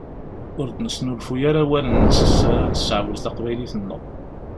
Ur d-nesnulfuy ara awalen s ara nesseɛwej taqbaylit-nneɣ.